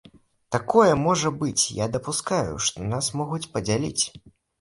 Такое можа быць, я дапускаю, што нас могуць падзяліць.